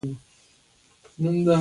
پرمختیایي هېوادونه کم پس انداز لري.